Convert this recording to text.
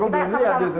aku belum lihat